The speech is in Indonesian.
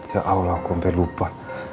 ya allah aku sampe lupa